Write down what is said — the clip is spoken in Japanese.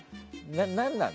何なの？